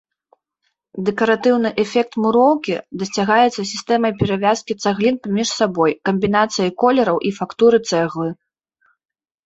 Дэкаратыўны эфект муроўкі дасягаецца сістэмай перавязкі цаглін паміж сабой, камбінацыяй колераў і фактуры цэглы.